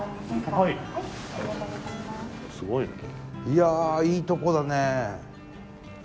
いやいいとこだね。